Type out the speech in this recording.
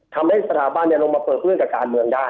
ทำให้สถาบันลงมาเปิดเรื่องกับการเมืองได้